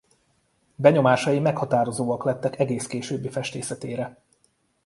Benyomásai meghatározóak lettek egész későbbi festészetére.